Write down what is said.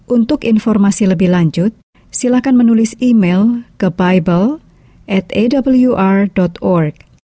untuk informasi lebih lanjut silahkan menulis email ke bible atawr org